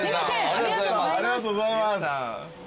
ありがとうございます。